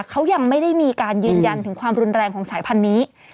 เขายังไม่ได้มีการยืนยันถึงความรุนแรงของสายพันธุ์นี้